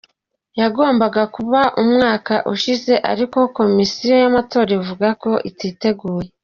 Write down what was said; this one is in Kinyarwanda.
Yagombaga kuba umwaka ushize ariko Komisiyo y’amatora ivuga ko ititeguye.